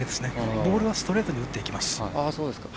ボールはストレートに打っていきます。